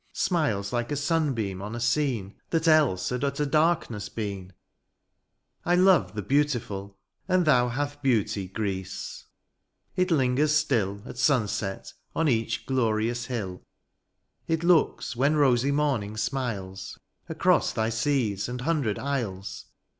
Smiles hke a smi beam on a scene That else had utter darkness been : I love the beantiiul — and thou Hath beauty, Greece ; it lingers still At sunset on each glorious hill. It looks when rosy morning smiles Across thy seas and hundred isles.